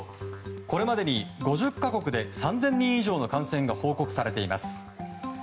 これまでに５０か国以上３０００人以上の感染が報告されています。